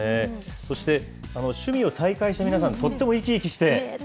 そして、趣味を再開した皆さん、とっても生き生きして。